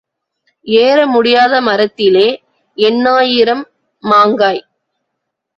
ஏற முடியாத மரத்திலே எண்ணாயிரம் மாங்காய்.